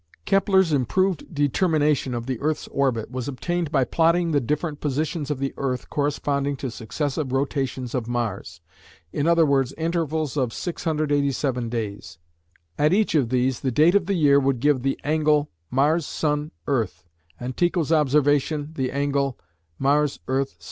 Kepler's improved determination of the earth's orbit was obtained by plotting the different positions of the earth corresponding to successive rotations of Mars, i.e. intervals of 687 days. At each of these the date of the year would give the angle MSE (Mars Sun Earth), and Tycho's observation the angle MES.